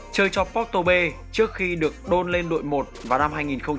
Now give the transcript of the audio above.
chơi cho porto b trước khi được đôn lên đội một vào năm hai nghìn một mươi năm